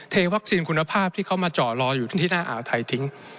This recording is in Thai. วัคซีนคุณภาพที่เขามาเจาะรออยู่ที่หน้าอ่าวไทยทิ้ง